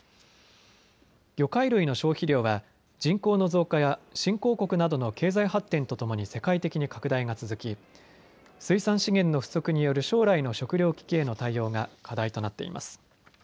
魚介類の消費量は人口の増加や新興国などの経済発展とともに世界的に拡大が続き水産資源の不足による将来の食料危機への対応が課題となっています。